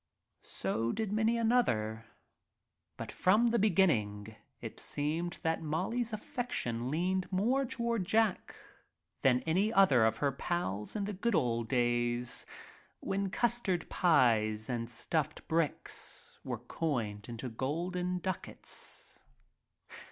So did many another. But from the beginning it seemed that Molly's affection leaned more toward Jack than any other of her pals in "the good old days" when custard pies and stuffed bricks were coined into golden ducats.